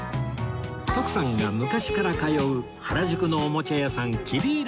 徳さんが昔から通う原宿のおもちゃ屋さんキデイランドへ